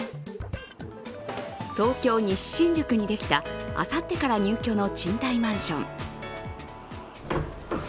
東京・西新宿にできたあさってから入居の賃貸マンション。